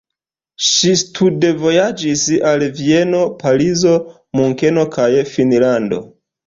Ŝi studvojaĝis al Vieno, Parizo, Munkeno kaj Finnlando.